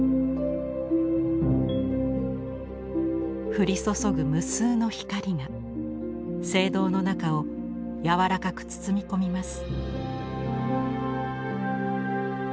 降り注ぐ無数の光が聖堂の中を柔らかく包み込みます。